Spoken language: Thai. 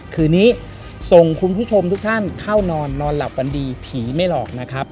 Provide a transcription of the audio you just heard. คืนนี้ส่งคุณผู้ชมทุกท่านเข้านอนนอนหลับฝันดีผีไม่หลอกนะครับ